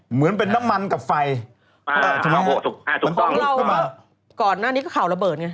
เหมือนเป็นน้ำมันกับไฟอ่าสมมติของเราก่อนอันนี้ก็ข่าวระเบิดไง